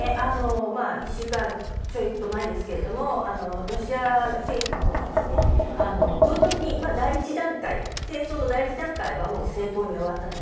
１週間ちょっと前ですがロシア政府のほうが唐突に、戦争の第１段階はもう成功に終わったと。